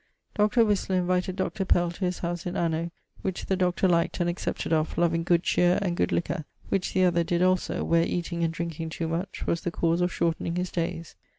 Dr. Whistler invited Dr. Pell to his house in anno ..., which the Dr. likt and accepted of, loving good cheer and good liquour, which the other did also; where eating and drinking too much, was the cause of shortning his daies.